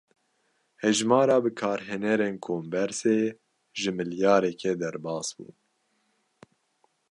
Hejmara bikarhênerên kombersê, ji milyareke derbas bû